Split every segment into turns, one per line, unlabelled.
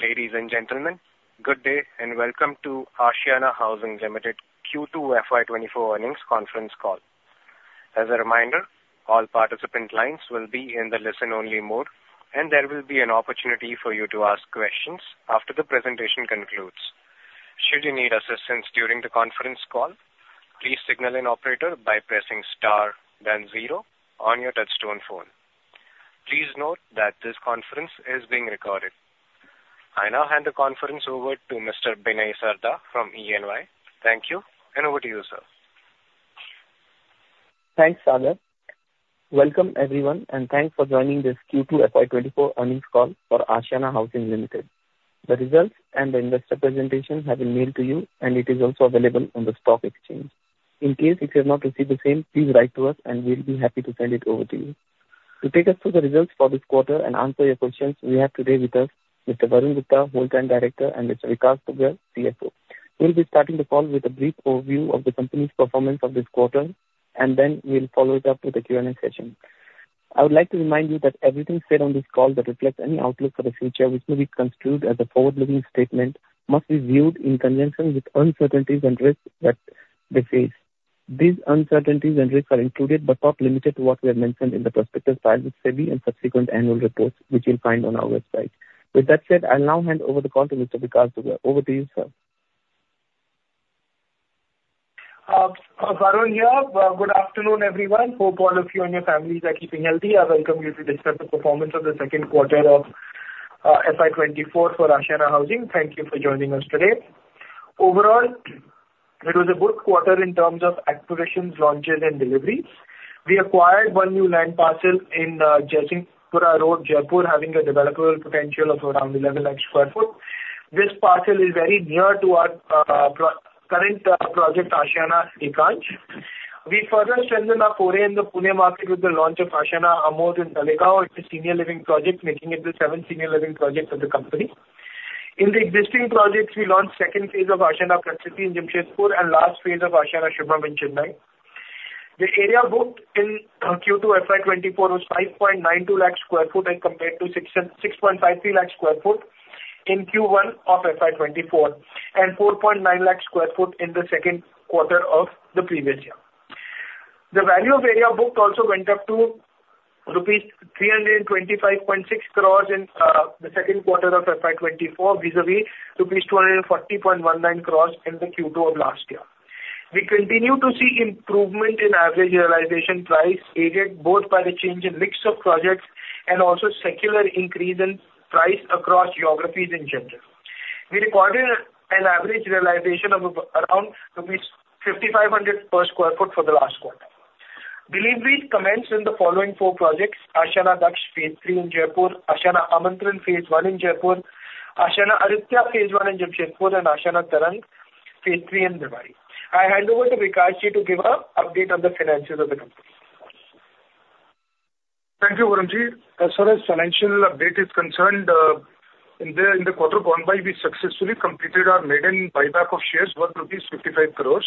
Ladies and gentlemen, good day, and welcome to Ashiana Housing Limited Q2 FY 2024 earnings conference call. As a reminder, all participant lines will be in the listen-only mode, and there will be an opportunity for you to ask questions after the presentation concludes. Should you need assistance during the conference call, please signal an operator by pressing star, then zero on your touchtone phone. Please note that this conference is being recorded. I now hand the conference over to Mr. Binay Sarda from E&Y. Thank you, and over to you, sir.
Thanks, Sagar. Welcome, everyone, and thanks for joining this Q2 FY 2024 earnings call for Ashiana Housing Limited. The results and the investor presentation have been mailed to you, and it is also available on the stock exchange. In case if you have not received the same, please write to us, and we'll be happy to send it over to you. To take us through the results for this quarter and answer your questions, we have today with us Mr. Varun Gupta, Whole Time Director, and Mr. Vikash Dugar, CFO. We'll be starting the call with a brief overview of the company's performance of this quarter, and then we'll follow it up with a Q&A session. I would like to remind you that everything said on this call that reflects any outlook for the future, which may be construed as a forward-looking statement, must be viewed in conjunction with uncertainties and risks that we face. These uncertainties and risks are included, but not limited to, what we have mentioned in the prospectus filed with SEBI and subsequent annual reports, which you'll find on our website. With that said, I'll now hand over the call to Mr. Vikash Dugar. Over to you, sir.
Varun here. Good afternoon, everyone. Hope all of you and your families are keeping healthy. I welcome you to discuss the performance of the second quarter of FY 2024 for Ashiana Housing. Thank you for joining us today. Overall, it was a good quarter in terms of acquisitions, launches, and deliveries. We acquired one new land parcel in Jaisinghpura Road, Jaipur, having a developable potential of around 11 lakh sq ft. This parcel is very near to our current project, Ashiana Ekansh. We further strengthened our foray in the Pune market with the launch of Ashiana Amodh in Talegaon, it's a senior living project, making it the seventh senior living project of the company. In the existing projects, we launched second phase of Ashiana Prakriti in Jamshedpur and last phase of Ashiana Shubham in Chennai. The area booked in Q2 FY 2024 was 5.92 lakh sq ft as compared to 6.53 lakh sq ft in Q1 of FY 2024, and 4.9 lakh sq ft in the second quarter of the previous year. The value of area booked also went up to rupees 325.6 crores in the second quarter of FY 2024, vis-a-vis rupees 240.19 crores in the Q2 of last year. We continue to see improvement in average realization price, aided both by the change in mix of projects and also secular increase in price across geographies in general. We recorded an average realization of around rupees 5,500 per sq ft for the last quarter. Delivery commenced in the following four projects: Ashiana Daksh, phase three in Jaipur; Ashiana Amantran, phase one in Jaipur; Ashiana Aditya, phase one in Jamshedpur; and Ashiana Tarang, phase three in Bhiwadi. I hand over to Vikashji to give an update on the financials of the company.
Thank you, Varunji. As far as financial update is concerned, in the quarter gone by, we successfully completed our maiden buyback of shares worth rupees 55 crores.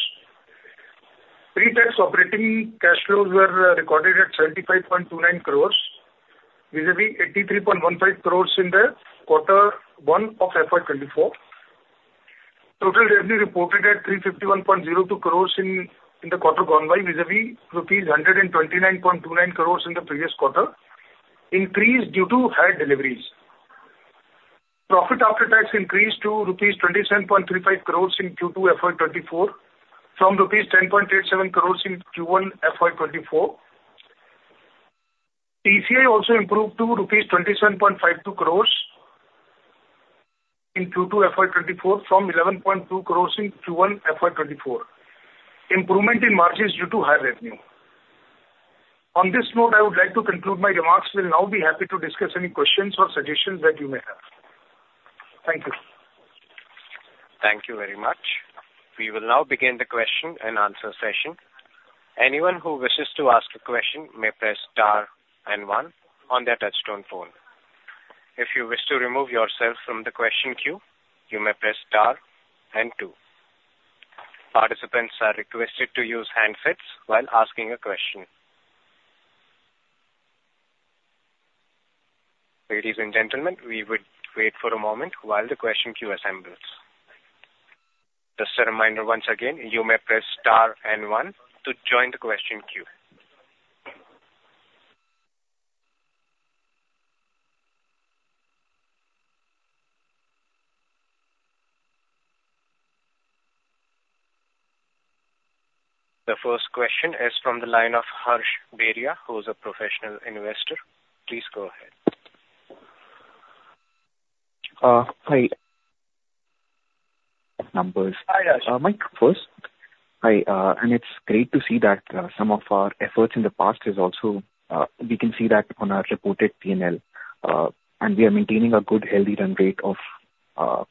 Pre-tax operating cash flows were recorded at 75.29 crores, vis-a-vis 83.15 crores in quarter 1 of FY 2024. Total revenue reported at 351.02 crores in the quarter gone by, vis-a-vis rupees 129.29 crores in the previous quarter, increased due to higher deliveries. Profit after tax increased to rupees 27.35 crores in Q2 FY 2024 from rupees 10.87 crores in Q1 FY 2024. Total Comprehensive Income also improved to rupees 27.52 crores in Q2 FY 2024 from 11.2 crores in Q1 FY 2024. Improvement in margin is due to higher revenue. On this note, I would like to conclude my remarks. We'll now be happy to discuss any questions or suggestions that you may have. Thank you.
Thank you very much. We will now begin the question and answer session. Anyone who wishes to ask a question may press star and one on their touchtone phone. If you wish to remove yourself from the question queue, you may press star and two. Participants are requested to use handsets while asking a question. Ladies and gentlemen, we would wait for a moment while the question queue assembles. Just a reminder once again, you may press star and one to join the question queue. The first question is from the line of Harsh Beria, who is a professional investor. Please go ahead.
Hi. Numbers-
Hi, Harsh.
Mic first. Hi, and it's great to see that, some of our efforts in the past is also, we can see that on our reported P&L, and we are maintaining a good, healthy run rate of,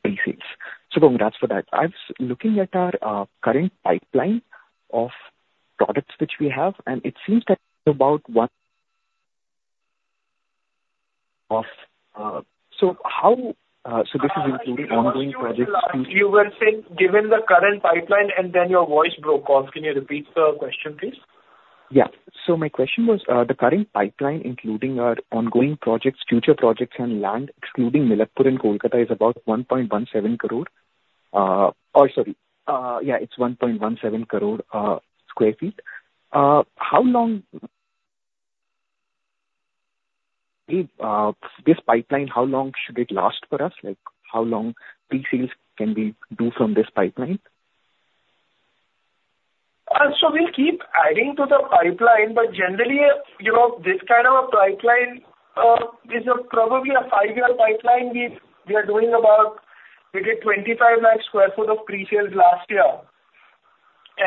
pre-sales. So congrats for that. I was looking at our, current pipeline of products which we have, and it seems that about one... Of, so how, so this is including ongoing projects-
You were saying, given the current pipeline, and then your voice broke off. Can you repeat the question, please?...
Yeah. So my question was, the current pipeline, including our ongoing projects, future projects, and land, excluding Milakpur and Kolkata, is about 1.17 crore sq ft. Oh, sorry. Yeah, it's 1.17 crore sq ft. How long this pipeline, how long should it last for us? Like, how long pre-sales can we do from this pipeline?
So we'll keep adding to the pipeline, but generally, you know, this kind of a pipeline is probably a five-year pipeline. We are doing about, we did 25 lakh sq ft of pre-sales last year.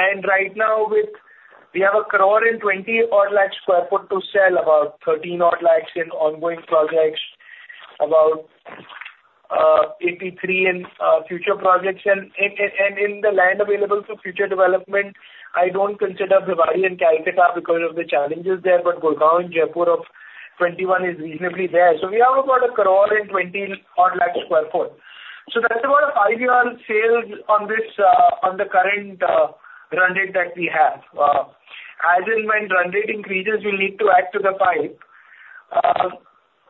And right now, we have a crore and 20 odd lakh sq ft to sell, about 13 odd lakhs in ongoing projects, about 83 in future projects. And in the land available for future development, I don't consider Bhiwadi and Kolkata because of the challenges there, but Gurgaon and Jaipur of 21 is reasonably there. So we have about a crore and 20 odd lakh sq ft. So that's about a five-year sales on this, on the current run rate that we have. As and when run rate increases, we'll need to add to the pipe.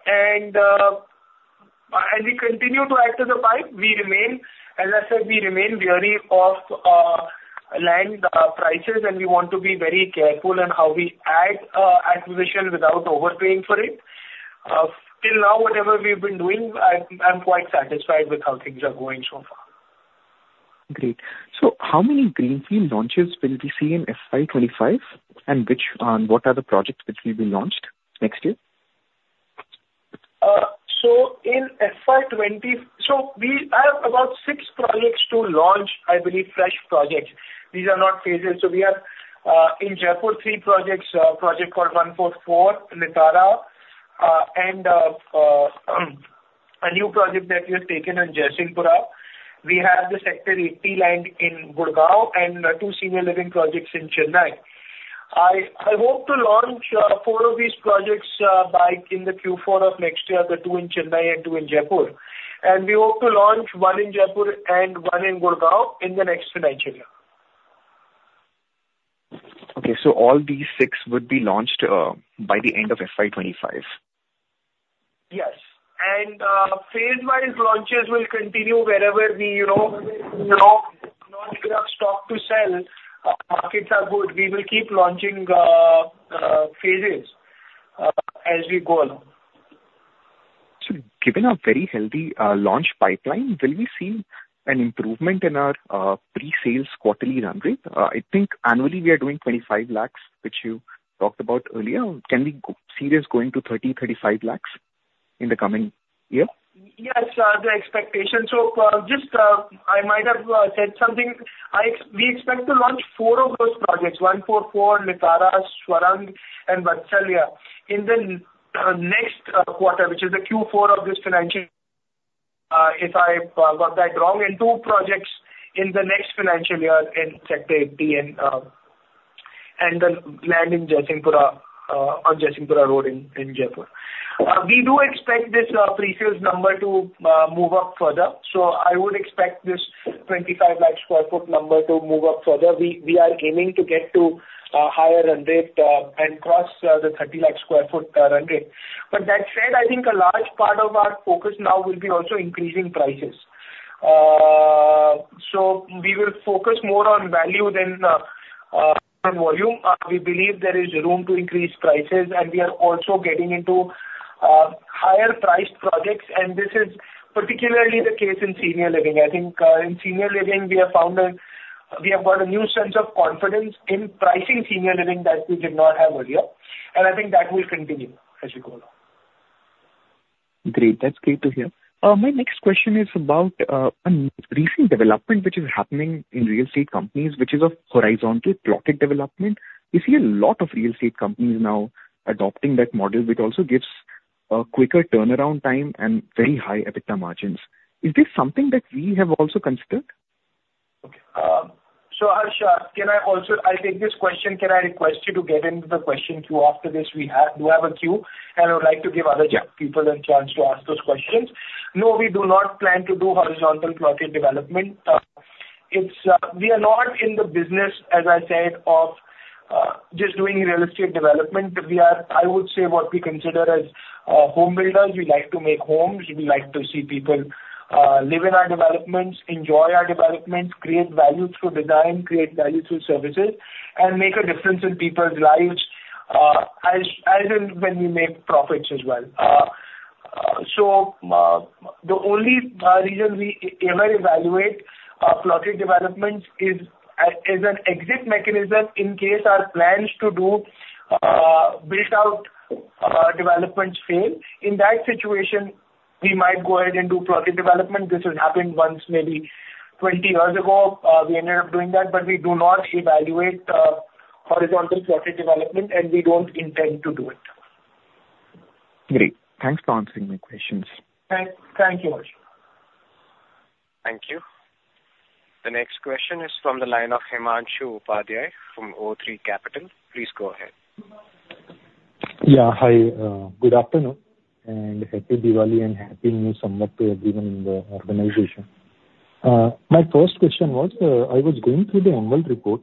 And, as we continue to add to the pipe, we remain, as I said, we remain wary of land prices, and we want to be very careful in how we add acquisition without overpaying for it. Till now, whatever we've been doing, I'm quite satisfied with how things are going so far.
Great. So how many greenfield launches will we see in FY 2025, and which, what are the projects which will be launched next year?
So in FY twenty. So we have about six projects to launch, I believe, fresh projects. These are not phases. So we have, in Jaipur, three projects, a project called ONE44, Nitara, and a new project that we have taken in Jaisinghpura. We have the Sector 80 land in Gurgaon and two senior living projects in Chennai. I hope to launch four of these projects by in the Q4 of next year, the two in Chennai and two in Jaipur. And we hope to launch one in Jaipur and one in Gurgaon in the next financial year.
Okay, so all these six would be launched by the end of FY 25?
Yes. And, phase-wise launches will continue wherever we, you know, we have stock to sell. Markets are good. We will keep launching phases as we go along.
So given our very healthy launch pipeline, will we see an improvement in our pre-sales quarterly run rate? I think annually we are doing 25 lakhs, which you talked about earlier. Can we see this going to 30, 35 lakhs in the coming year?
Yes, the expectation. So, just, I might have said something. We expect to launch four of those projects, ONE44, Nitara, Swarang, and Vatsalya. In the next quarter, which is the Q4 of this financial, if I got that wrong, and two projects in the next financial year in Sector 80 and the land in Jaisinghpura on Jaisinghpura Road in Jaipur. We do expect this pre-sales number to move up further. So I would expect this 25 lakh sq ft number to move up further. We are aiming to get to a higher run rate and cross the 30 lakh sq ft run rate. But that said, I think a large part of our focus now will be also increasing prices. So we will focus more on value than on volume. We believe there is room to increase prices, and we are also getting into higher priced projects, and this is particularly the case in senior living. I think in senior living, we have found, we have got a new sense of confidence in pricing senior living that we did not have earlier, and I think that will continue as we go along.
Great. That's great to hear. My next question is about a recent development which is happening in real estate companies, which is of horizontal plotted development. We see a lot of real estate companies now adopting that model, which also gives a quicker turnaround time and very high EBITDA margins. Is this something that we have also considered?
Okay, so Harsh, can I also... I'll take this question, can I request you to get into the question queue after this? We have, do have a queue, and I would like to give other people a chance to ask those questions. No, we do not plan to do horizontal plotted development. It's, we are not in the business, as I said, of, just doing real estate development. We are, I would say, what we consider as, home builders. We like to make homes. We like to see people, live in our developments, enjoy our developments, create value through design, create value through services, and make a difference in people's lives, as, as and when we make profits as well. The only reason we ever evaluate plotted developments is as an exit mechanism in case our plans to do built out developments fail. In that situation, we might go ahead and do plotted development. This has happened once, maybe 20 years ago. We ended up doing that, but we do not evaluate horizontal plotted development, and we don't intend to do it.
Great. Thanks for answering my questions.
Thank you, Harsh.
Thank you. The next question is from the line of Himanshu Upadhyay from o3 Capital. Please go ahead....
Yeah. Hi, good afternoon, and happy Diwali and happy new Samvat to everyone in the organization. My first question was, I was going through the annual report,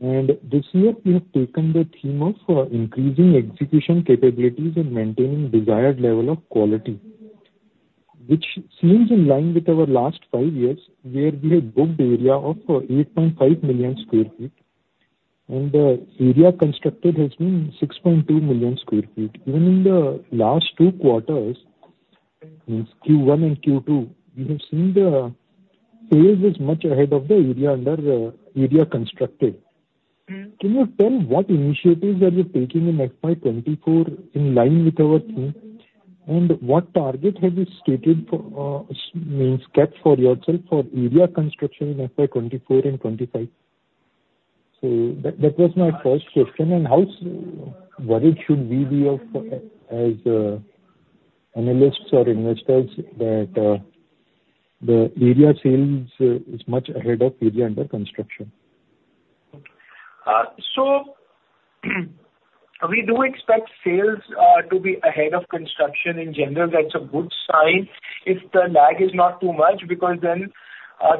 and this year you have taken the theme of increasing execution capabilities and maintaining desired level of quality, which seems in line with our last five years, where we have booked area of 8.5 million sq ft, and area constructed has been 6.2 million sq ft. Even in the last two quarters, means Q1 and Q2, we have seen the sales is much ahead of the area under area constructed. Can you tell what initiatives are you taking in FY 2024 in line with our theme, and what target have you stated for, means, kept for yourself for area construction in FY 2024 and 2025? That was my first question. How worried should we be of, as analysts or investors, that the area sales is much ahead of area under construction?
So we do expect sales to be ahead of construction. In general, that's a good sign if the lag is not too much, because then,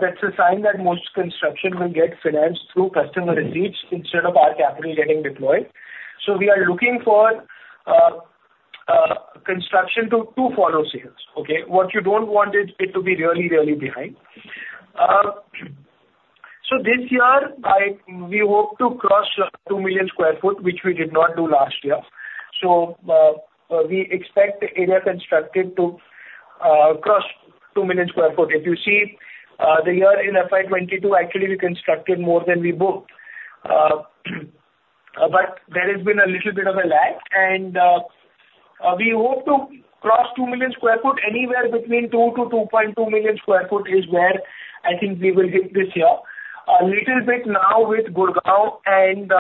that's a sign that most construction will get financed through customer receipts instead of our capital getting deployed. So we are looking for construction to follow sales. Okay? What you don't want is it to be really, really behind. So this year, we hope to cross 2 million sq ft, which we did not do last year. So we expect the area constructed to cross 2 million sq ft. If you see the year in FY 2022, actually, we constructed more than we booked. But there has been a little bit of a lag, and we hope to cross 2 million sq ft. Anywhere between 2 to 2.2 million sq ft is where I think we will hit this year. A little bit now with Gurgaon and,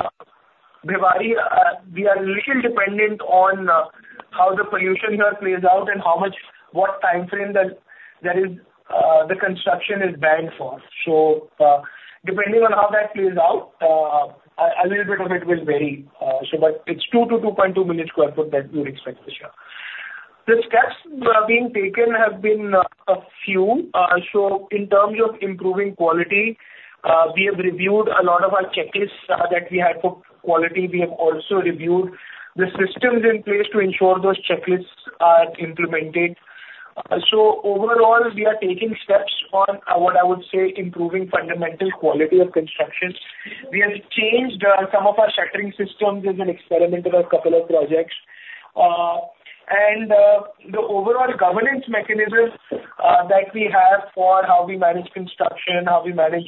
Bhiwadi, we are a little dependent on, how the pollution there plays out and how much... what time frame that there is, the construction is banked for. So, depending on how that plays out, a little bit of it will vary. So but it's 2-2.2 million sq ft that we would expect this year. The steps being taken have been a few. So in terms of improving quality, we have reviewed a lot of our checklists that we had for quality. We have also reviewed the systems in place to ensure those checklists are implemented. So overall, we are taking steps on what I would say improving fundamental quality of construction. We have changed some of our shuttering systems as an experiment with a couple of projects. And the overall governance mechanisms that we have for how we manage construction, how we manage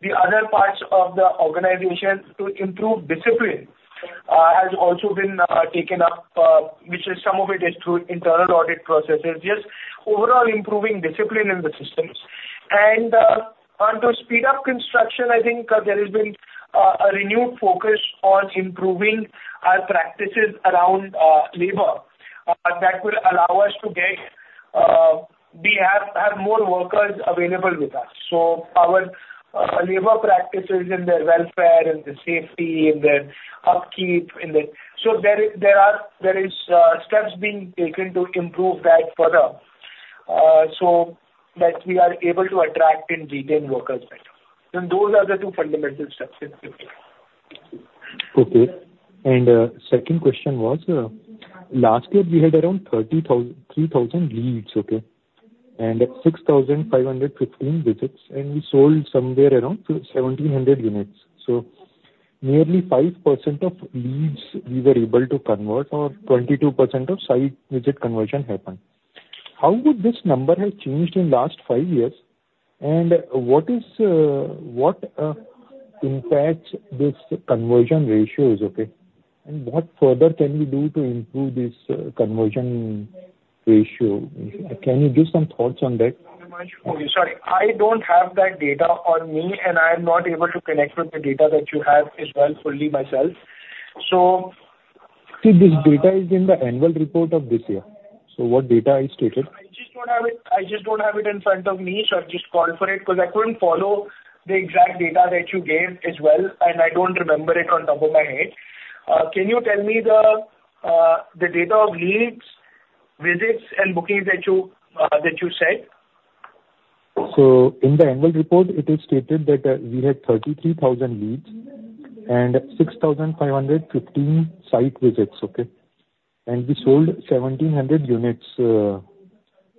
the other parts of the organization to improve discipline has also been taken up, which some of it is through internal audit processes, just overall improving discipline in the systems. And on to speed up construction, I think there has been a renewed focus on improving our practices around labor that will allow us to get we have more workers available with us. So our labor practices and their welfare and the safety and their upkeep and the... So there are steps being taken to improve that further, so that we are able to attract and retain workers better. And those are the two fundamental steps that we have taken.
Okay. And second question was, last year we had around three thousand leads, okay? And 6,515 visits, and we sold somewhere around 1,700 units. So nearly 5% of leads we were able to convert, or 22% of site visit conversion happened. How would this number have changed in last five years? And what is, what impacts this conversion ratios, okay? And what further can we do to improve this conversion ratio? Can you give some thoughts on that?
Thank you very much. Sorry, I don't have that data on me, and I am not able to connect with the data that you have as well, fully myself. So-
See, this data is in the annual report of this year. So what data I stated?
I just don't have it, I just don't have it in front of me, so I just called for it, 'cause I couldn't follow the exact data that you gave as well, and I don't remember it on top of my head. Can you tell me the data of leads, visits, and bookings that you said?
So in the annual report, it is stated that we had 33,000 leads and 6,515 site visits, okay? We sold 1,700 units in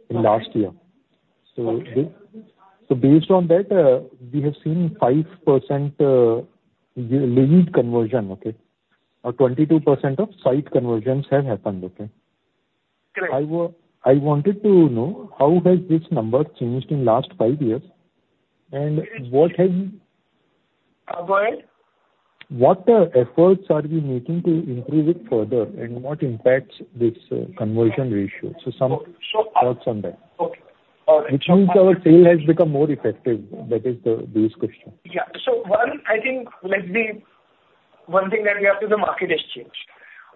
last year.
Okay.
So based on that, we have seen 5% lead conversion, okay? Or 22% of site conversions have happened, okay.
Correct.
I wanted to know, how has this number changed in last five years? And what has-
Uh, what?
What efforts are we making to improve it further, and what impacts this conversion ratio? So some-
So, uh-
thoughts on that.
Okay. All right.
Which means our sale has become more effective. That is this question.
Yeah. So, one, I think, let's be... One thing that we have to, the market has changed.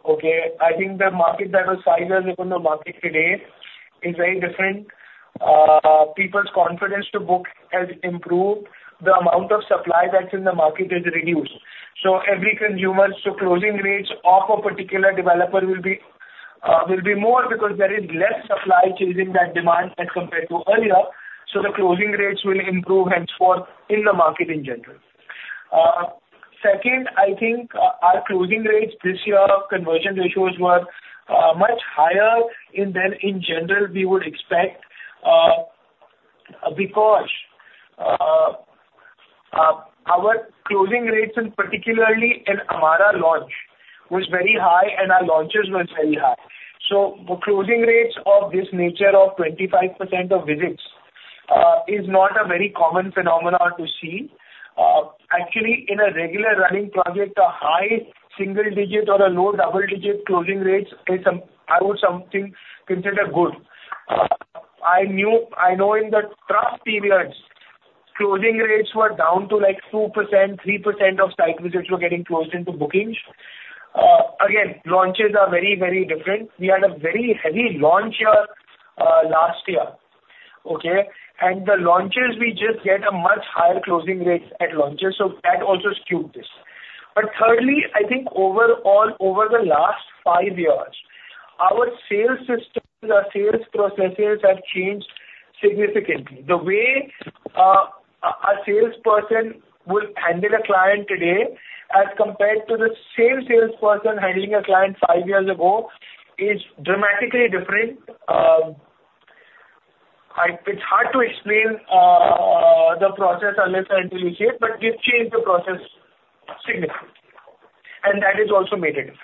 Okay? I think the market that was five years ago and the market today... is very different. People's confidence to book has improved. The amount of supply that's in the market is reduced. So every consumer-- So closing rates of a particular developer will be, will be more because there is less supply chasing that demand as compared to earlier, so the closing rates will improve henceforth in the market in general. Second, I think, our closing rates this year, conversion ratios were, much higher in than in general we would expect, because, our closing rates and particularly in Amarah launch was very high, and our launches were very high. So the closing rates of this nature of 25% of visits is not a very common phenomenon to see. Actually, in a regular running project, a high-single-digit or a low-double-digit closing rates is something I would consider good. I know in the rough periods, closing rates were down to, like, 2%, 3% of site visits were getting closed into bookings. Again, launches are very, very different. We had a very heavy launch year last year, okay? And the launches, we just get a much higher closing rate at launches, so that also skewed this. But thirdly, I think overall, over the last five years, our sales systems, our sales processes have changed significantly. The way a salesperson will handle a client today as compared to the same salesperson handling a client five years ago is dramatically different. It's hard to explain the process unless I dig deep, but we've changed the process significantly, and that has also made a difference.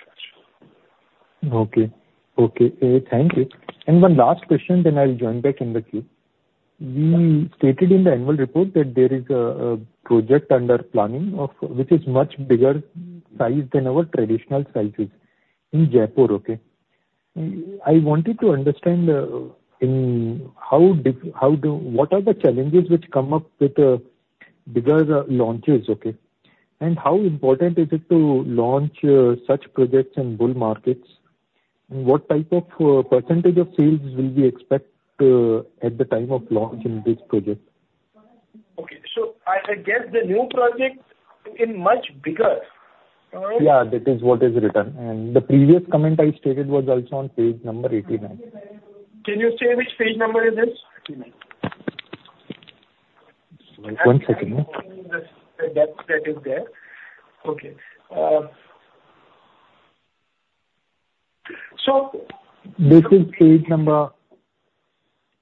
Okay. Okay, thank you. And one last question then I'll join back in the queue. You stated in the annual report that there is a project under planning of—which is much bigger size than our traditional sizes in Jaipur, okay? I wanted to understand what are the challenges which come up with bigger launches, okay? And how important is it to launch such projects in bull markets, and what type of percentage of sales will we expect at the time of launch in this project?
Okay. So I guess the new project is much bigger.
Yeah, that is what is written. The previous comment I stated was also on page number 89.
Can you say which page number is this?
One second.
That, that is there. Okay.
This is page number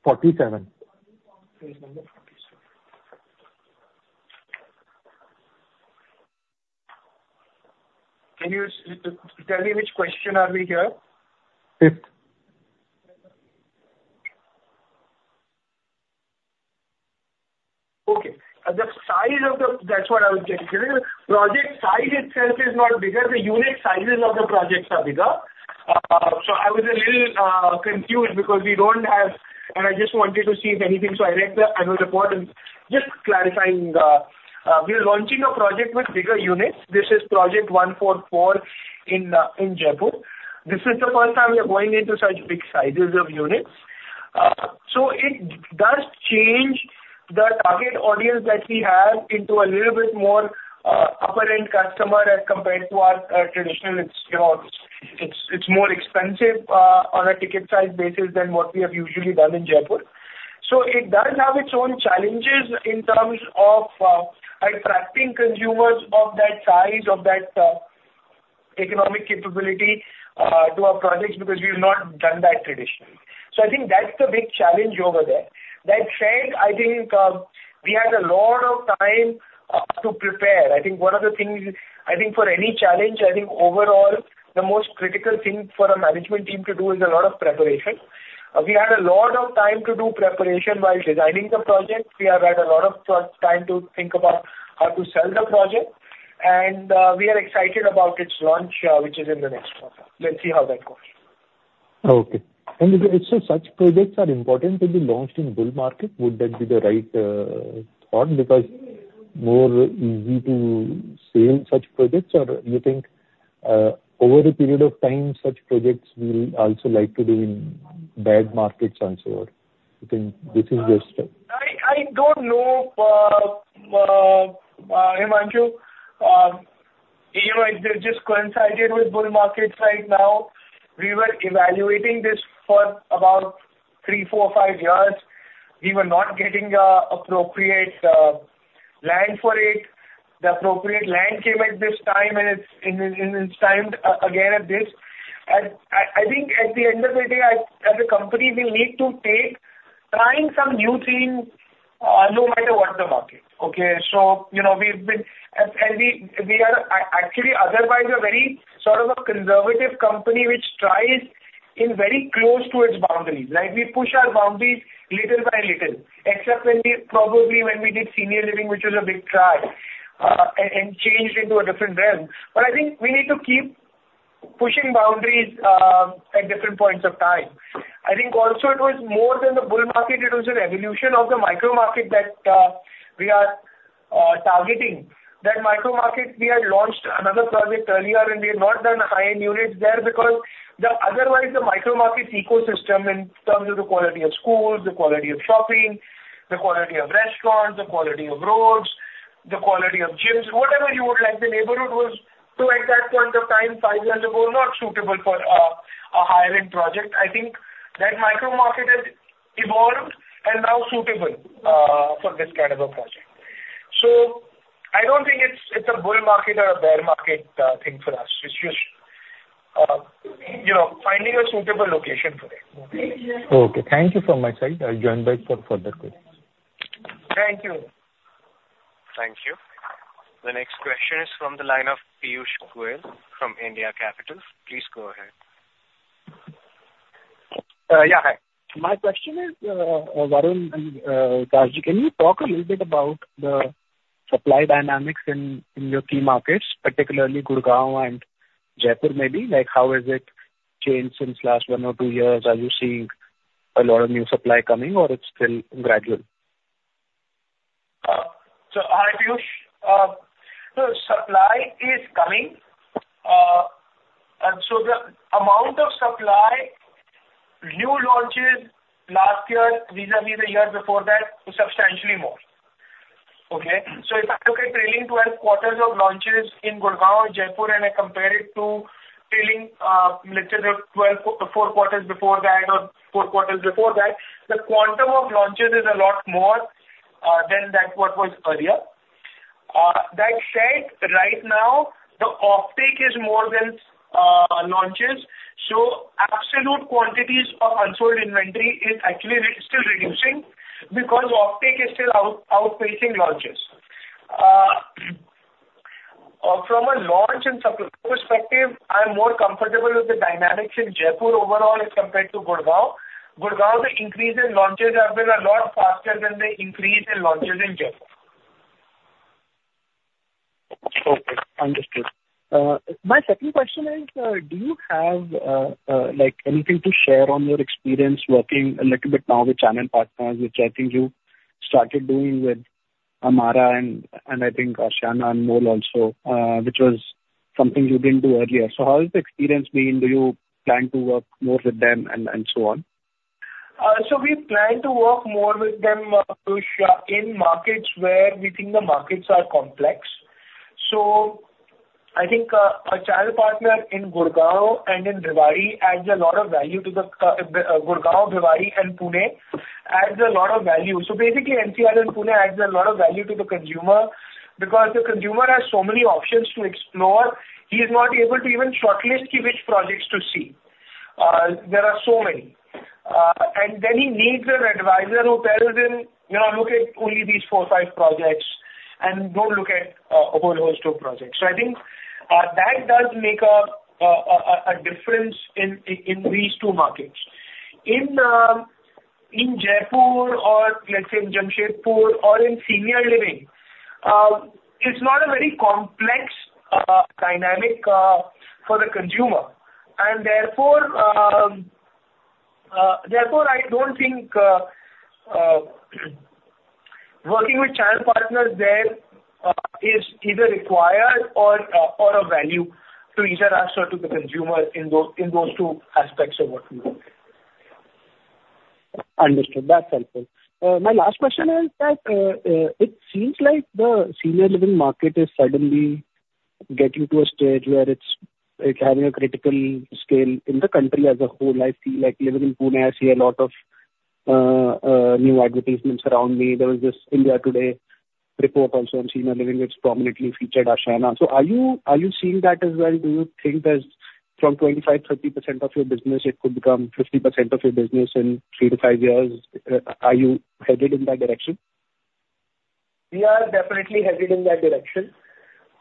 47.
Page number 47. Can you tell me which question are we here?
Fifth.
Okay. The size of the— That's what I was getting at. Project size itself is not bigger, the unit sizes of the projects are bigger. So I was a little confused because we don't have... And I just wanted to see if anything, so I read the annual report and just clarifying, we are launching a project with bigger units. This is Project ONE44 in Jaipur. This is the first time we are going into such big sizes of units. So it does change the target audience that we have into a little bit more upper-end customer as compared to our traditional. It's, you know, it's more expensive on a ticket size basis than what we have usually done in Jaipur. So it does have its own challenges in terms of, attracting consumers of that size, of that, economic capability, to our projects, because we've not done that traditionally. So I think that's the big challenge over there. That said, I think, we had a lot of time to prepare. I think one of the things. I think for any challenge, I think overall, the most critical thing for a management team to do is a lot of preparation. We had a lot of time to do preparation while designing the project. We have had a lot of time to think about how to sell the project, and we are excited about its launch, which is in the next quarter. Let's see how that goes.
Okay. And so such projects are important to be launched in bull market. Would that be the right, thought, because more easy to sell such projects? Or you think, over a period of time, such projects will also like to do in bad markets also? You think this is the step.
I don't know, Himanshu. You know, it just coincided with bull markets right now. We were evaluating this for about 3, 4, 5 years. We were not getting the appropriate land for it. The appropriate land came at this time, and it's timed again at this. And I think at the end of the day, as a company, we need to take trying some new things, no matter what the market, okay? So, you know, we've been... And we are actually otherwise a very sort of a conservative company, which tries in very close to its boundaries. Like, we push our boundaries little by little, except when we probably when we did senior living, which was a big try, and changed into a different realm. But I think we need to keep pushing boundaries at different points of time. I think also it was more than the bull market, it was an evolution of the micro market that we are targeting. That micro market, we had launched another project earlier, and we had not done high-end units there because the otherwise the micro market ecosystem in terms of the quality of schools, the quality of shopping, the quality of restaurants, the quality of roads, the quality of gyms, whatever you would like, the neighborhood was too at that point of time, five years ago, not suitable for a high-end project. I think that micro market has evolved and now suitable for this kind of a project. So I don't think it's a bull market or a bear market thing for us. It's just, you know, finding a suitable location for it.
Okay, thank you from my side. I'll join back for further queries.
Thank you.
Thank you. The next question is from the line of Piyush Goyal from India Capital. Please go ahead.
Yeah, hi. My question is, Varun and, Raj, can you talk a little bit about the supply dynamics in your key markets, particularly Gurgaon and Jaipur, maybe? Like, how has it changed since last one or two years? Are you seeing a lot of new supply coming or it's still gradual?
So hi, Piyush. The supply is coming. And so the amount of supply, new launches last year, vis-à-vis the year before that, is substantially more. Okay? So if I look at trailing 12 quarters of launches in Gurgaon, Jaipur, and I compare it to trailing, let's say the 12, 4 quarters before that or 4 quarters before that, the quantum of launches is a lot more than what was earlier. That said, right now, the offtake is more than launches, so absolute quantities of unsold inventory is actually still reducing, because offtake is still outpacing launches. From a launch and supply perspective, I am more comfortable with the dynamics in Jaipur overall as compared to Gurgaon. Gurgaon, the increase in launches have been a lot faster than the increase in launches in Jaipur.
Okay, understood. My second question is, do you have, like, anything to share on your experience working a little bit now with channel partners, which I think you started doing with Amarah and, and I think Ashiana Anmol also, which was something you didn't do earlier. So how has the experience been? Do you plan to work more with them and, and so on?
So we plan to work more with them, Piyush, in markets where we think the markets are complex. So I think, a channel partner in Gurgaon and in Bhiwadi adds a lot of value to the, Gurgaon, Bhiwadi and Pune adds a lot of value. So basically, NCR and Pune adds a lot of value to the consumer, because the consumer has so many options to explore, he is not able to even shortlist ki which projects to see. There are so many. And then he needs an advisor who tells him, "Now, look at only these four, five projects, and don't look at, a whole host of projects." So I think, that does make a difference in these two markets. In Jaipur, or let's say in Jamshedpur or in senior living, it's not a very complex dynamic for the consumer, and therefore, I don't think working with channel partners there is either required or of value to either us or to the consumer in those two aspects of what we do.
Understood. That's helpful. My last question is that it seems like the senior living market is suddenly getting to a stage where it's, it's having a critical scale in the country as a whole. I feel like living in Pune, I see a lot of new advertisements around me. There was this India Today report also on senior living, which prominently featured Ashiana. So are you, are you seeing that as well? Do you think that from 25-30% of your business, it could become 50% of your business in 3-5 years? Are you headed in that direction?
We are definitely headed in that direction.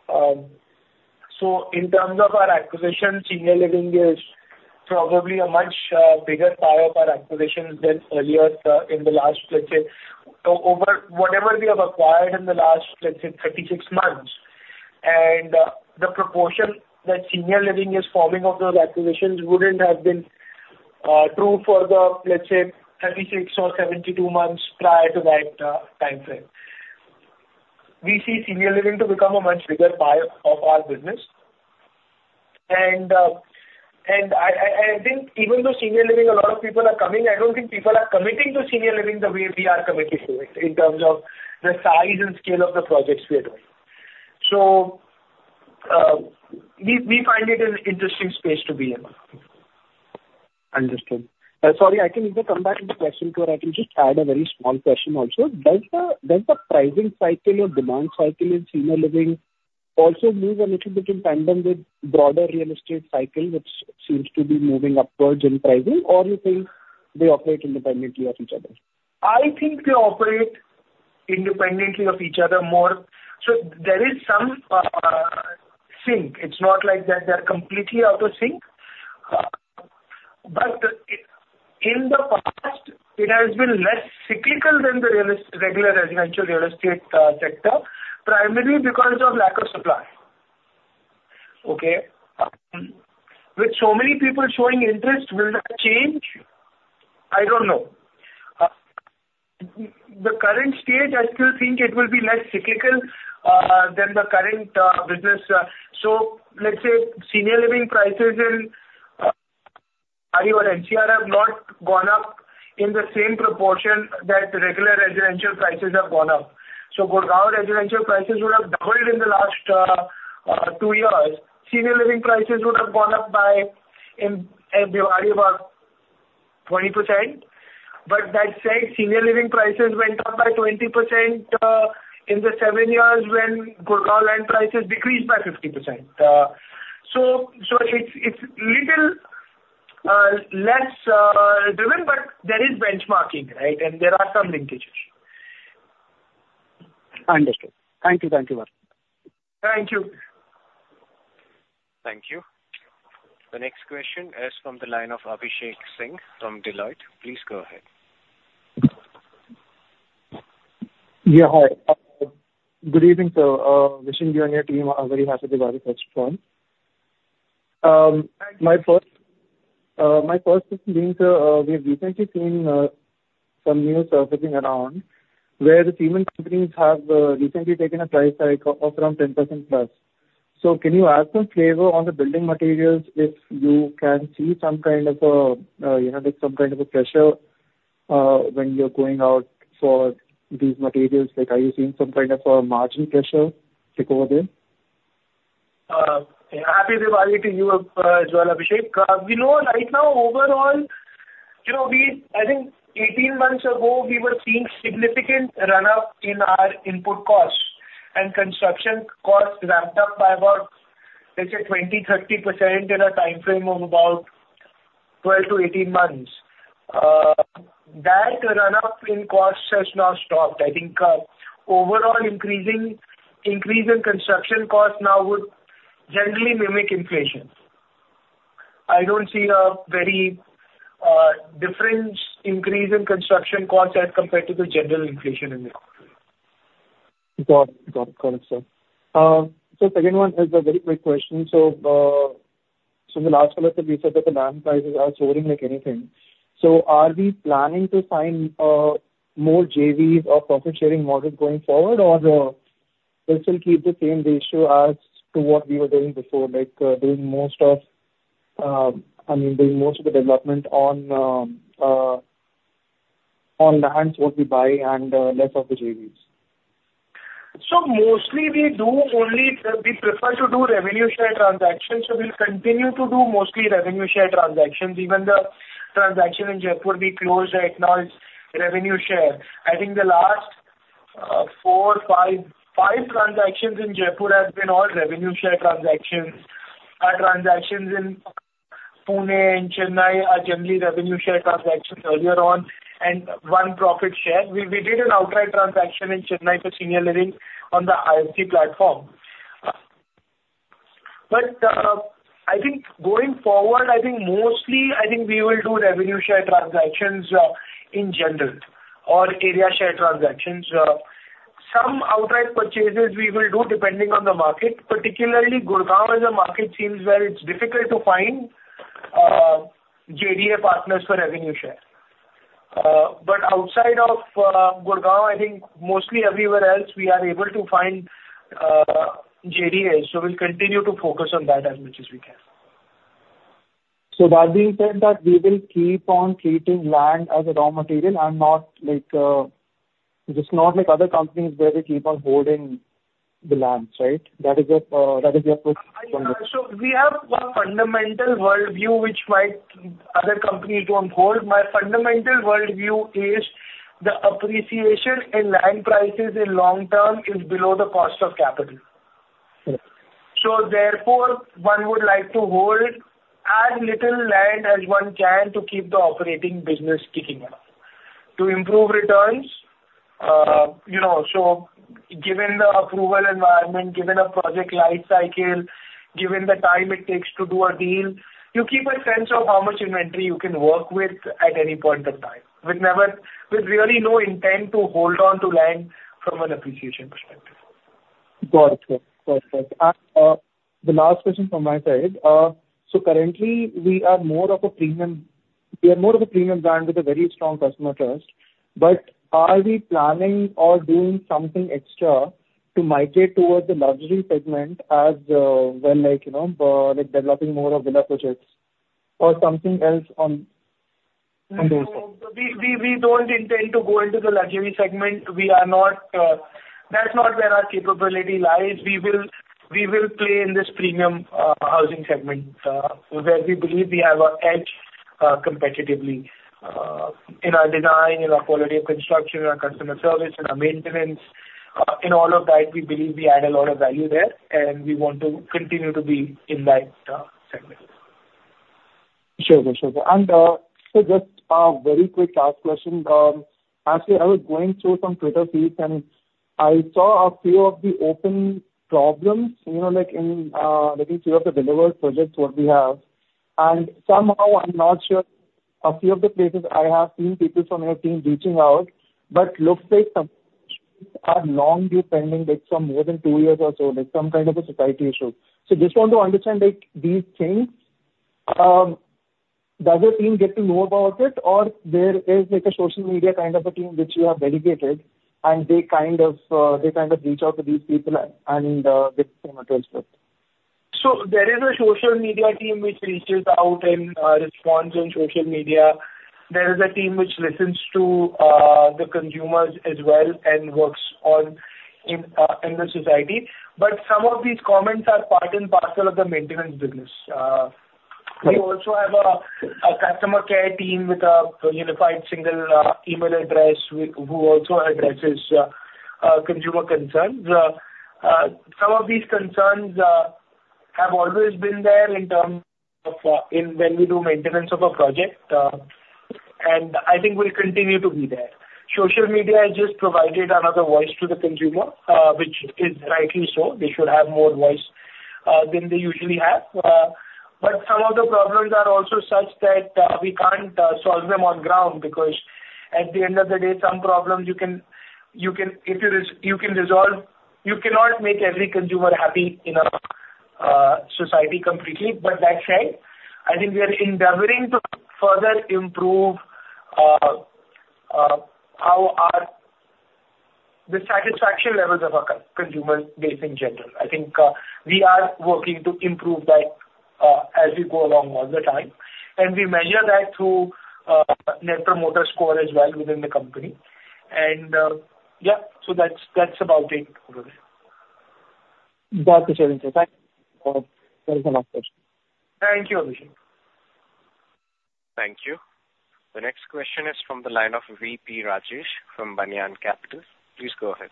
So in terms of our acquisitions, senior living is probably a much bigger part of our acquisitions than earlier in the last, let's say, over whatever we have acquired in the last, let's say, 36 months, and the proportion that senior living is forming of those acquisitions wouldn't have been true for the, let's say, 36 or 72 months prior to that timeframe. We see senior living to become a much bigger part of our business. I think even though senior living, a lot of people are coming, I don't think people are committing to senior living the way we are committing to it, in terms of the size and scale of the projects we are doing. So we find it an interesting space to be in.
Understood. Sorry, I can either come back with the question, or I can just add a very small question also. Does the, does the pricing cycle or demand cycle in senior living also move a little bit in tandem with broader real estate cycle, which seems to be moving upwards in pricing, or you think they operate independently of each other?
I think they operate independently of each other more. So there is some sync. It's not like that they're completely out of sync. But in the past, it has been less cyclical than the regular residential real estate sector, primarily because of lack of supply. Okay. With so many people showing interest, will that change? I don't know. The current state, I still think it will be less cyclical than the current business. So let's say, senior living prices in Delhi NCR have not gone up in the same proportion that regular residential prices have gone up. So Gurgaon residential prices would have doubled in the last two years. Senior living prices would have gone up by in Delhi about 20%. But that said, senior living prices went up by 20% in the seven years when Gurgaon land prices decreased by 50%. So, it's little less driven, but there is benchmarking, right? And there are some linkages.
Understood. Thank you very much.
Thank you.
Thank you. The next question is from the line of Abhishek Singh from Deloitte. Please go ahead.
Yeah, hi. Good evening, sir. Wishing you and your team a very happy Diwali first one. My first question is, we've recently seen some news surfacing around where the cement companies have recently taken a price hike of around 10% plus. So can you add some flavor on the building materials, if you can see some kind of a, you know, like some kind of a pressure, when you're going out for these materials? Like, are you seeing some kind of a margin pressure kick over there?
Happy Diwali to you, as well, Abhishek. We know right now, overall, you know, I think 18 months ago, we were seeing significant run-up in our input costs, and construction costs ramped up by about, let's say, 20-30% in a timeframe of about 12-18 months. That run-up in costs has now stopped. I think, overall increasing, increase in construction costs now would generally mimic inflation. I don't see a very different increase in construction costs as compared to the general inflation in the country.
Got it. Got it, sir. So second one is a very quick question: so in the last quarter, we said that the land prices are soaring like anything. So are we planning to sign more JVs or profit-sharing models going forward? Or we'll still keep the same ratio as to what we were doing before, like doing most of, I mean, doing most of the development on the lands what we buy and less of the JVs?
So mostly we do only, we prefer to do revenue share transactions, so we'll continue to do mostly revenue share transactions. Even the transaction in Jaipur we closed right now is revenue share. I think the last four, five, five transactions in Jaipur has been all revenue share transactions. Our transactions in Pune and Chennai are generally revenue share transactions earlier on, and one profit share. We did an outright transaction in Chennai for senior living on the IFC platform. But, I think going forward, I think mostly, I think we will do revenue share transactions, in general, or area share transactions. Some outright purchases we will do depending on the market. Particularly, Gurgaon as a market seems where it's difficult to find, JDA partners for revenue share. But outside of Gurgaon, I think mostly everywhere else we are able to find JDA, so we'll continue to focus on that as much as we can.
So that being said, that we will keep on treating land as a raw material and not like, just not like other companies where they keep on holding the lands, right? That is your, that is your first point.
We have one fundamental worldview which might other companies don't hold. My fundamental worldview is the appreciation in land prices in long term is below the cost of capital.
Okay.
So therefore, one would like to hold as little land as one can to keep the operating business ticking up, to improve returns. You know, so given the approval environment, given a project life cycle, given the time it takes to do a deal, you keep a sense of how much inventory you can work with at any point in time, with really no intent to hold on to land from an appreciation perspective.
Got it. Perfect. The last question from my side: so currently we are more of a premium, we are more of a premium brand with a very strong customer trust. But are we planning or doing something extra to migrate towards the luxury segment as, when, like, you know, like developing more of villa projects or something else on, on those things?
We don't intend to go into the luxury segment. We are not. That's not where our capability lies. We will play in this premium housing segment, where we believe we have an edge competitively, in our design, in our quality of construction, in our customer service, in our maintenance. In all of that, we believe we add a lot of value there, and we want to continue to be in that segment.
Sure, sure. So just a very quick last question. Actually, I was going through some Twitter feeds, and I saw a few of the open problems, you know, like in like a few of the delivered projects what we have. And somehow, I'm not sure, a few of the places I have seen people from your team reaching out, but looks like some are long due pending, like from more than two years or so, like some kind of a society issue. So just want to understand, like, these things, does your team get to know about it? Or there is like a social media kind of a team which you have dedicated, and they kind of, they kind of reach out to these people and get some address with?
So there is a social media team which reaches out and, responds on social media. There is a team which listens to, the consumers as well and works on in the society. But some of these comments are part and parcel of the maintenance business. We also have a customer care team with a unified single, email address, who also addresses, consumer concerns. Some of these concerns have always been there in terms of, when we do maintenance of a project, and I think will continue to be there. Social media has just provided another voice to the consumer, which is rightly so. They should have more voice, than they usually have. But some of the problems are also such that, we can't, solve them on ground, because at the end of the day some problems you can resolve. You cannot make every consumer happy in a, society completely. But that said, I think we are endeavoring to further improve, how the satisfaction levels of our consumer base in general. I think, we are working to improve that, as we go along all the time, and we measure that through, Net Promoter Score as well within the company. Yeah, so that's, that's about it over there.
Got it, sir. Thank you.
Thank you, Abhishek.
Thank you. The next question is from the line of VP Rajesh from Banyan Capital. Please go ahead.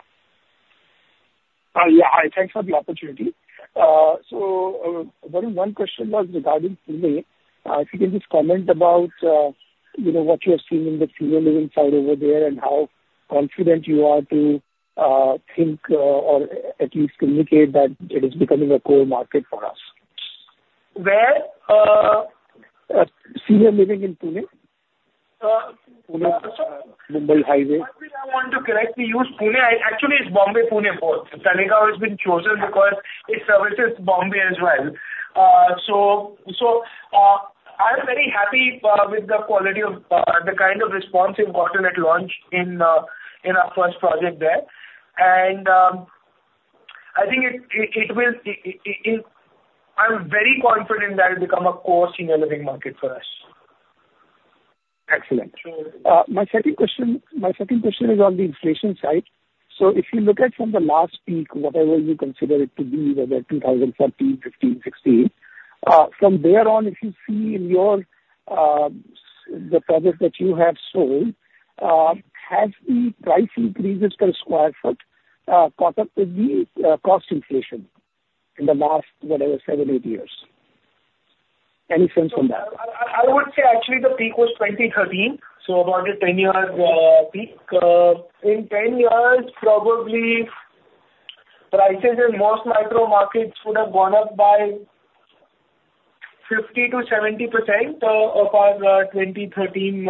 Yeah, thanks for the opportunity. So, one question was regarding Pune. If you can just comment about, you know, what you are seeing in the senior living side over there, and how confident you are to think, or at least communicate that it is becoming a core market for us?
Where, uh-
Senior living in Pune.
Uh-
Pune, Mumbai Highway.
One thing I want to correctly use, Pune, actually, it's Bombay, Pune, both. Talegaon has been chosen because it services Bombay as well. So, I'm very happy with the quality of the kind of response we've gotten at launch in our first project there. And I think it will... I'm very confident that it'll become a core senior living market for us.
Excellent.
Sure.
My second question is on the inflation side. So if you look at from the last peak, whatever you consider it to be, whether 2013, 2015, 2016, from there on, if you see in your, the projects that you have sold, has the price increases per sq ft caught up with the, cost inflation in the last, whatever, seven, eight years? Any sense on that?
I would say actually the peak was 2013, so about a 10-year peak. In 10 years, probably prices in most micro markets would have gone up by 50%-70% of our 2013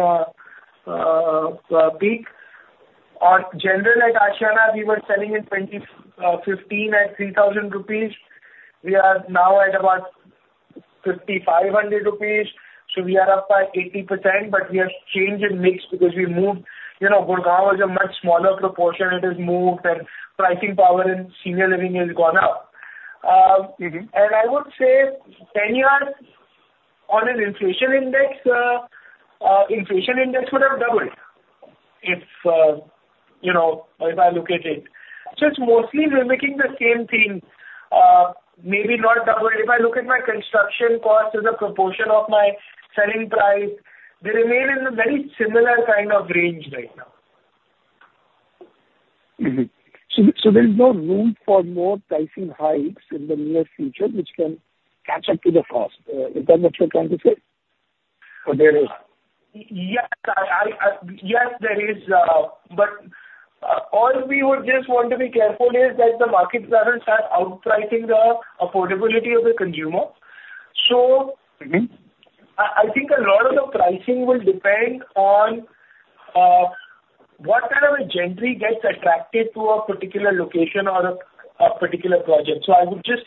peak. Overall, at Ashiana, we were selling in 2015 at 3,000 rupees. We are now at about 5,500 rupees, so we are up by 80%. But we have changed in mix because we moved. You know, Gurgaon was a much smaller proportion, it has moved, and pricing power in senior living has gone up.
Mm-hmm.
I would say 10 years on an inflation index, inflation index would have doubled if, you know, if I look at it. So it's mostly we're making the same thing, maybe not double. If I look at my construction cost as a proportion of my selling price, they remain in a very similar kind of range right now.
Mm-hmm. So, so there is no room for more pricing hikes in the near future, which can catch up to the cost. Is that what you're trying to say? Or there is?
Yes, there is, but all we would just want to be careful is that the markets aren't starting to outprice the affordability of the consumer. So-
Mm-hmm.
I think a lot of the pricing will depend on what kind of a gentry gets attracted to a particular location or a particular project. So I would just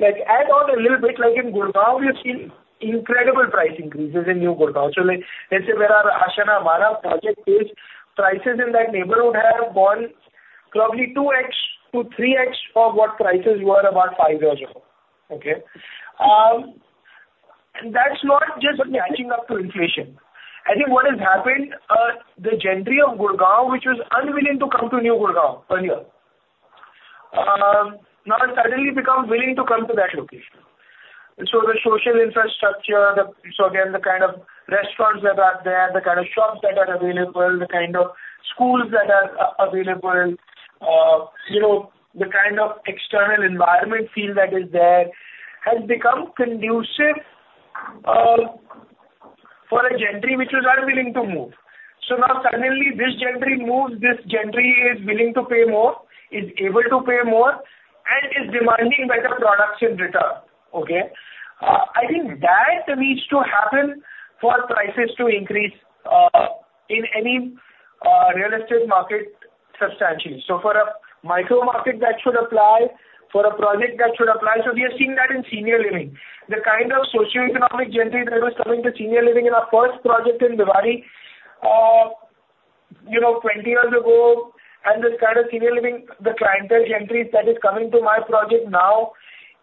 like add on a little bit. Like in Gurgaon, we have seen incredible price increases in New Gurgaon. So like, let's say where our Ashiana Amarah project is, prices in that neighborhood have gone probably 2x-3x of what prices were about five years ago. Okay? And that's not just matching up to inflation. I think what has happened, the gentry of Gurgaon, which was unwilling to come to New Gurgaon earlier, now has suddenly become willing to come to that location. So the social infrastructure, the... So again, the kind of restaurants that are there, the kind of shops that are available, the kind of schools that are available, you know, the kind of external environment feel that is there, has become conducive, for a gentry which was unwilling to move. So now suddenly, this gentry moves, this gentry is willing to pay more, is able to pay more.... and is demanding better production return, okay? I think that needs to happen for prices to increase, in any, real estate market substantially. So for a micro market, that should apply. For a project, that should apply. So we have seen that in senior living. The kind of socioeconomic gentry that was coming to senior living in our first project in Bhiwadi, you know, 20 years ago, and the kind of senior living, the clientele gentry that is coming to my project now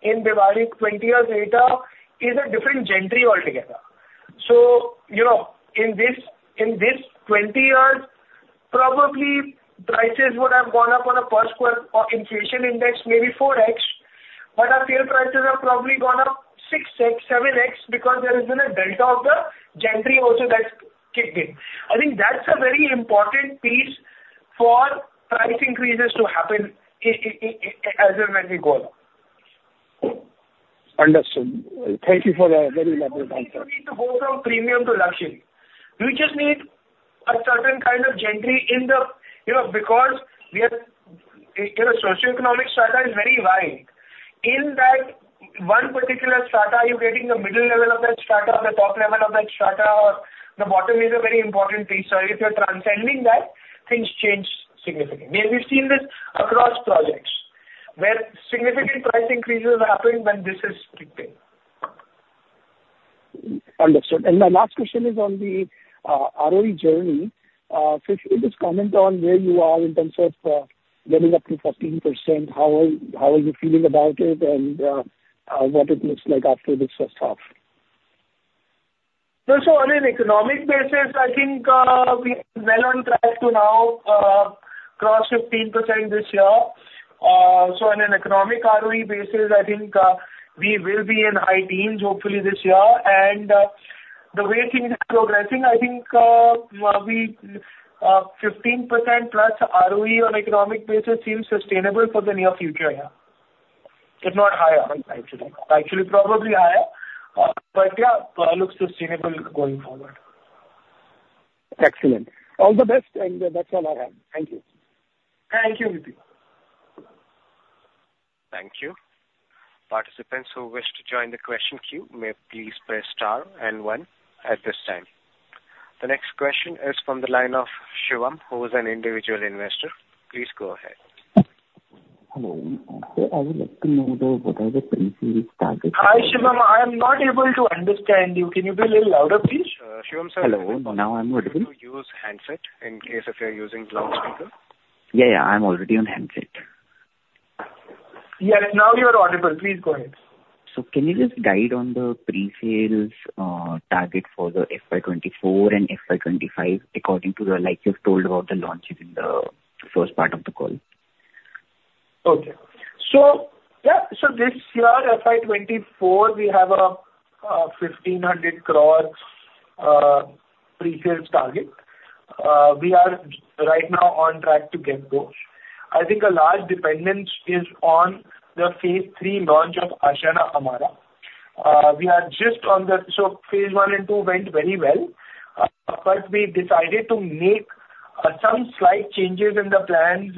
in Bhiwadi, 20 years later, is a different gentry altogether. So, you know, in this, in this 20 years, probably prices would have gone up on a per square or inflation index, maybe 4x, but our sale prices have probably gone up 6x, 7x, because there has been a delta of the gentry also that's kicked in. I think that's a very important piece for price increases to happen as and when we go on.
Understood. Thank you for the very elaborate answer.
You don't need to go from premium to luxury. You just need a certain kind of gentry in the, you know, because we are, you know, socioeconomic strata is very wide. In that one particular strata, are you getting the middle level of that strata, or the top level of that strata, or the bottom is a very important piece. So if you're transcending that, things change significantly. And we've seen this across projects, where significant price increases are happening when this is kicking.
Understood. And my last question is on the ROE journey. So could just comment on where you are in terms of getting up to 15%? How are you feeling about it, and what it looks like after this first half?
So, on an economic basis, I think, we are well on track to now, cross 15% this year. So on an economic ROE basis, I think, we will be in high teens, hopefully this year. And, the way things are progressing, I think, we, 15%+ ROE on economic basis seems sustainable for the near future, yeah. If not higher, actually. Actually, probably higher, but yeah, looks sustainable going forward.
Excellent. All the best, and that's all I have. Thank you.
Thank you, VP.
Thank you. Participants who wish to join the question queue, may please press star and one at this time. The next question is from the line of Shivam, who is an individual investor. Please go ahead.
Hello. I would like to know, what are the pre-sales targets?
Hi, Shivam, I'm not able to understand you. Can you be a little louder, please?
Shivam sir-
Hello, now I'm audible.
Could you use handset, in case if you're using loudspeaker?
Yeah, yeah, I'm already on handset.
Yeah, now you're audible. Please go ahead.
Can you just guide on the pre-sales target for the FY 2024 and FY 2025, according to the, like you've told about the launches in the first part of the call?
Okay. So, yeah, so this year, FY 2024, we have a 1,500 crore pre-sales target. We are right now on track to get those. I think a large dependence is on the phase 3 launch of Ashiana Amarah. We are just on the... So phase 1 and 2 went very well, but we decided to make some slight changes in the plans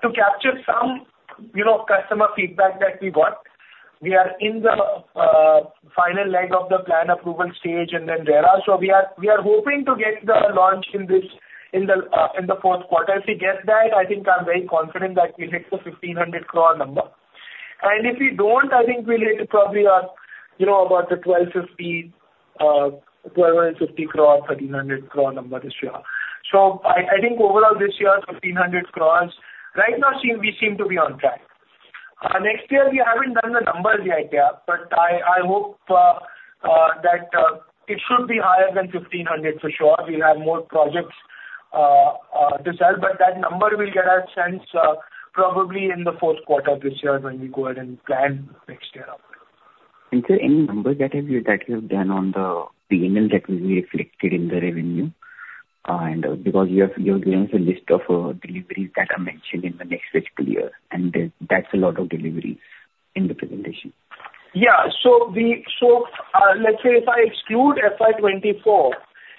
to capture some, you know, customer feedback that we got. We are in the final leg of the plan approval stage, and then there are-- So we are hoping to get the launch in this, in the fourth quarter. If we get that, I think I'm very confident that we hit the 1,500 crore number. If we don't, I think we'll hit probably, you know, about the 1,250 crore number this year. So I think overall this year, 1,500 crores. Right now, we seem to be on track. Next year, we haven't done the numbers yet, yeah, but I hope that it should be higher than 1,500 for sure. We'll have more projects to sell, but that number we'll get a sense probably in the fourth quarter of this year when we go ahead and plan next year out.
Sir, any numbers that have you, that you've done on the P&L that will be reflected in the revenue? And because you have, you have given us a list of deliveries that are mentioned in the next fiscal year, and that's a lot of deliveries in the presentation.
Yeah. So we, so, let's say if I exclude FY 2024,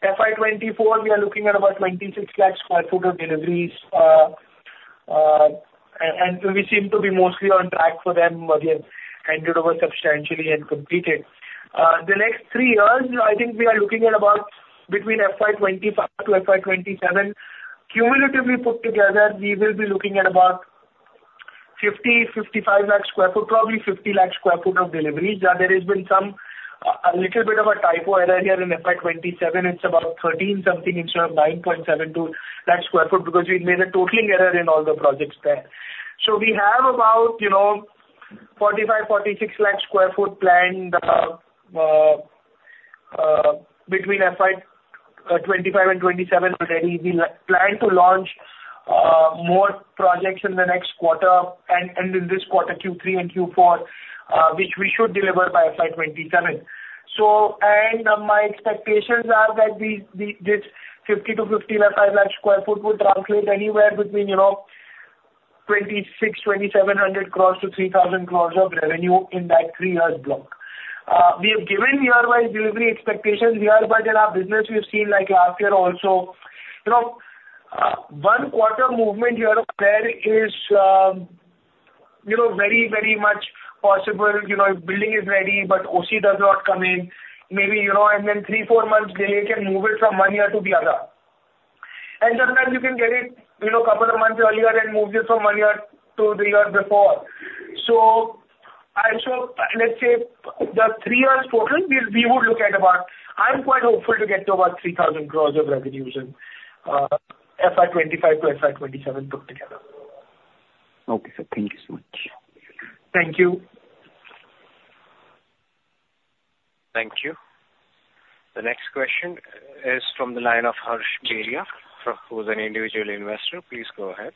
FY 2024, we are looking at about 26 lakh sq ft of deliveries. And we seem to be mostly on track for them, but we have handed over substantially and completed. The next three years, I think we are looking at about between FY 2025 to FY 2027. Cumulatively put together, we will be looking at about 50-55 lakh sq ft, probably 50 lakh sq ft of deliveries. There has been some, a little bit of a typo error here in FY 2027. It's about 13-something instead of 9.72 lakh sq ft, because we've made a totaling error in all the projects there. So we have about, you know, 45-46 lakh sq ft planned, between FY 2025 and 2027 already. We plan to launch more projects in the next quarter and in this quarter, Q3 and Q4, which we should deliver by FY 2027. So my expectations are that we this 50-55 lakh sq ft will translate anywhere between you know 2,600-2,700 crores to 3,000 crores of revenue in that 3 years block. We have given year-wise delivery expectations year, but in our business, we have seen like last year also you know 1 quarter movement. Yeah, there is you know very very much possible. You know building is ready, but OC does not come in. Maybe you know and then 3-4 months delay can move it from 1 year to the other. And sometimes you can get it you know couple of months earlier and move it from 1 year to the year before. I'm sure, let's say, the three years total, we would look at about 3,000 crores of revenues in FY 2025 to FY 2027 put together.
Okay, sir. Thank you so much.
Thank you.
Thank you. The next question is from the line of Harsh Beria, who is an individual investor. Please go ahead.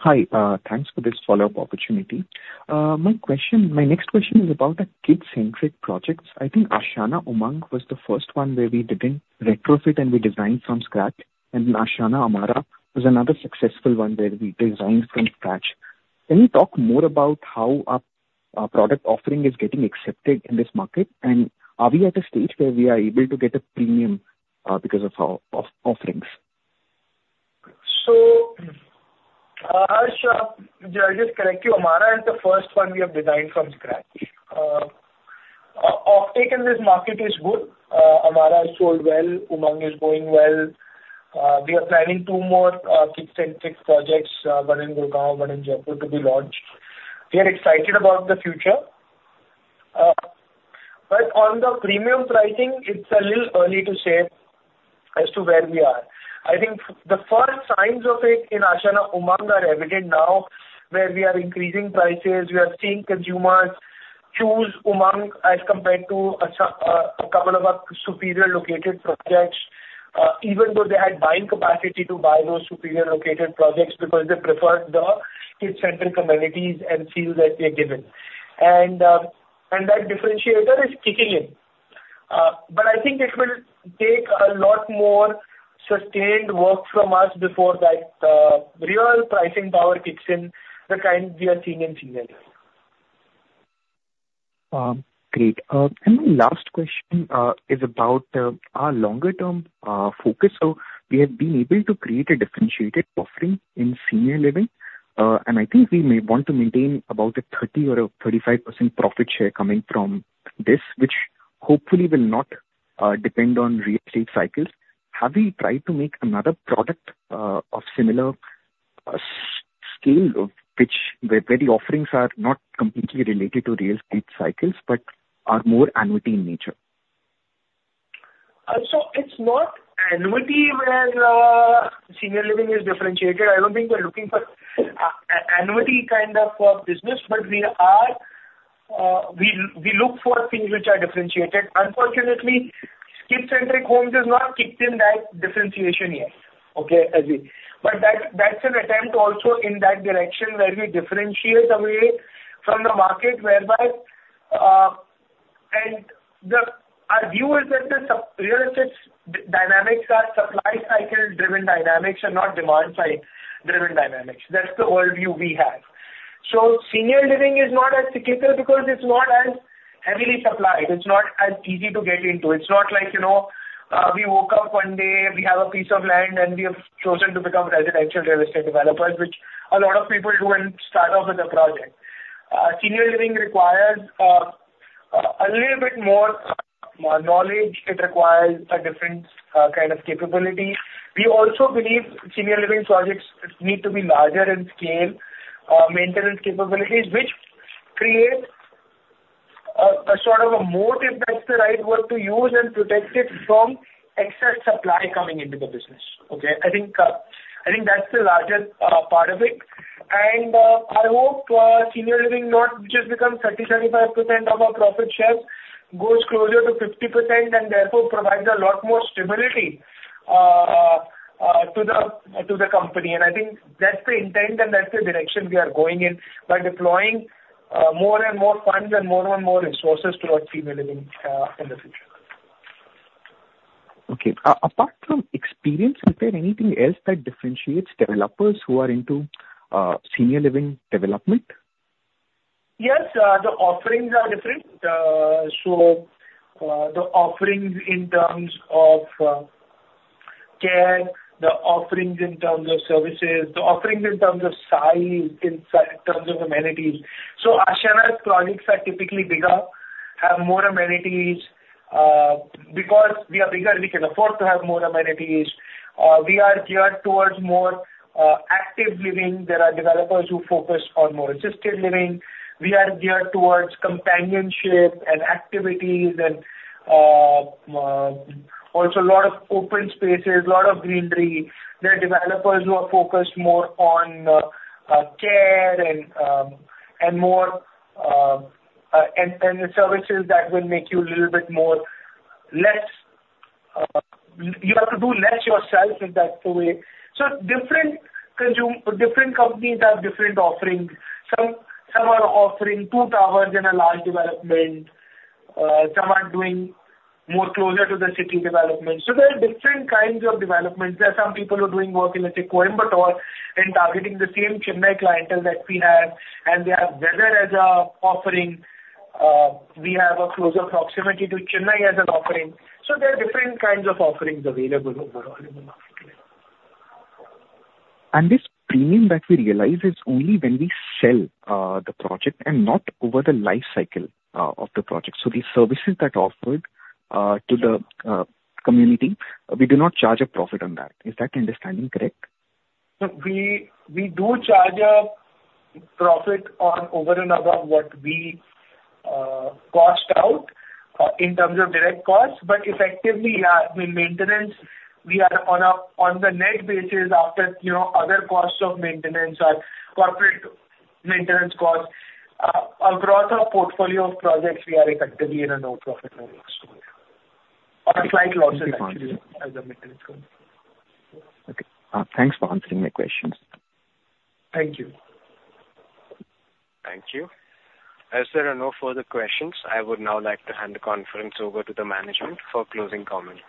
Hi, thanks for this follow-up opportunity. My question, my next question is about the kid-centric projects. I think Ashiana Umang was the first one where we didn't retrofit, and we designed from scratch, and Ashiana Amarah was another successful one where we designed from scratch. Can you talk more about how our product offering is getting accepted in this market? And are we at a stage where we are able to get a premium because of our offerings?
So, Harsh, you are just correct, Amarah is the first one we have designed from scratch. Offtake in this market is good. Amarah has sold well, Umang is going well. We are planning two more, kid-centric projects, one in Gurgaon, one in Jaipur, to be launched. We are excited about the future. But on the premium pricing, it's a little early to say as to where we are. I think the first signs of it in Ashiana Umang are evident now, where we are increasing prices. We are seeing consumers choose Umang as compared to, a couple of our superior located projects, even though they had buying capacity to buy those superior located projects, because they preferred the kid-centric amenities and feels that we have given. And, and that differentiator is kicking in. But I think it will take a lot more sustained work from us before that real pricing power kicks in, the kind we are seeing in senior living.
Great. And my last question is about our longer-term focus. So we have been able to create a differentiated offering in senior living, and I think we may want to maintain about a 30 or a 35% profit share coming from this, which hopefully will not depend on real estate cycles. Have we tried to make another product of similar scale of which, where the offerings are not completely related to real estate cycles, but are more annuity in nature?
So it's not annuity where senior living is differentiated. I don't think we're looking for a, annuity kind of a business, but we are, we, we look for things which are differentiated. Unfortunately, Kid Centric Homes has not kicked in that differentiation yet. Okay, Ajay? But that's, that's an attempt also in that direction, where we differentiate away from the market, whereby. And the, our view is that the sub real estate dynamics are supply cycle driven dynamics and not demand cycle driven dynamics. That's the worldview we have. So senior living is not as cyclical because it's not as heavily supplied. It's not as easy to get into. It's not like, you know, we woke up one day, we have a piece of land, and we have chosen to become residential real estate developers, which a lot of people do and start off with a project. Senior living requires a little bit more knowledge. It requires a different kind of capability. We also believe senior living projects need to be larger in scale, maintenance capabilities, which create a sort of a moat, if that's the right word to use, and protect it from excess supply coming into the business. Okay? I think that's the largest part of it. And I hope senior living not just become 30%-35% of our profit share, goes closer to 50%, and therefore provides a lot more stability to the company. I think that's the intent, and that's the direction we are going in by deploying more and more funds and more and more resources towards senior living in the future.
Okay. Apart from experience, is there anything else that differentiates developers who are into senior living development?
Yes, the offerings are different. The offerings in terms of care, the offerings in terms of services, the offerings in terms of size, in terms of amenities. So Ashiana's projects are typically bigger, have more amenities. Because we are bigger, we can afford to have more amenities. We are geared towards more active living. There are developers who focus on more assisted living. We are geared towards companionship and activities and also a lot of open spaces, a lot of greenery. There are developers who are focused more on care and more and the services that will make you a little bit more less you have to do less yourself, if that's the way. So different companies have different offerings. Some are offering two towers in a large development. some are doing more closer to the city development. So there are different kinds of developments. There are some people who are doing work in, let's say, Coimbatore, and targeting the same Chennai clientele that we have, and they have weather as a offering. We have a closer proximity to Chennai as an offering. So there are different kinds of offerings available overall in the market.
This premium that we realize is only when we sell the project and not over the life cycle of the project. The services that are offered to the community, we do not charge a profit on that. Is that understanding correct?
So we do charge a profit on over and above what we cost out in terms of direct costs, but effectively, yeah, the maintenance we are on the net basis after, you know, other costs of maintenance or corporate maintenance costs across our portfolio of projects, we are effectively in a no-profit model story or a slight losses actually as a maintenance cost.
Okay. Thanks for answering my questions.
Thank you.
Thank you. As there are no further questions, I would now like to hand the conference over to the management for closing comments.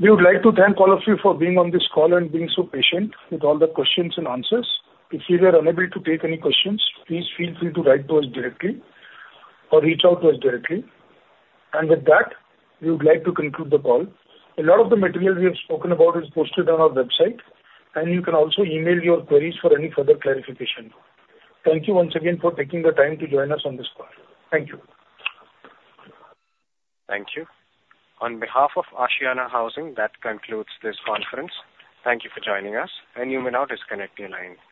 We would like to thank all of you for being on this call and being so patient with all the questions and answers. If we were unable to take any questions, please feel free to write to us directly or reach out to us directly. With that, we would like to conclude the call. A lot of the material we have spoken about is posted on our website, and you can also email your queries for any further clarification. Thank you once again for taking the time to join us on this call. Thank you.
Thank you. On behalf of Ashiana Housing, that concludes this conference. Thank you for joining us, and you may now disconnect your line.